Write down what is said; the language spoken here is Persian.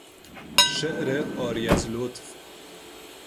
شعر عاری از لطف